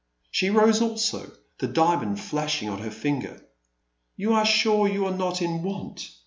She rose also, the diamond flashing on her finger. You are sure that you are not in want